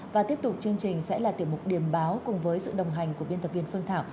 và tiếp tục chương trình sẽ là tiểu mục điểm báo cùng với sự đồng hành của biên tập viên phương thảo